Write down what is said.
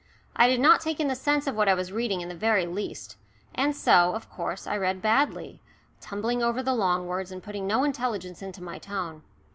I did not take in the sense of what I was reading in the very least, and so, of course, I read badly, tumbling over the long words, and putting no intelligence into my tone.